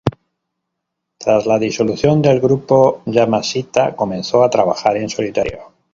Tras la disolución del grupo, Yamashita comenzó a trabajar en solitario.